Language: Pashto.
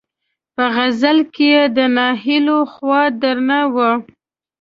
په غزل کې یې د ناهیلیو خوا درنه وه.